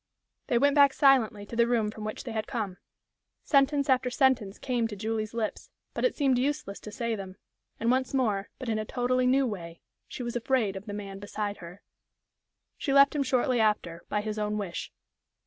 They went back silently to the room from which they had come. Sentence after sentence came to Julie's lips, but it seemed useless to say them, and once more, but in a totally new way, she was "afraid" of the man beside her. She left him shortly after, by his own wish.